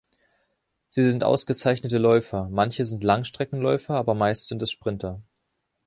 Sie sind ausgezeichnete Läufer: manche sind Langstreckenläufer, aber meist sind es Sprinter.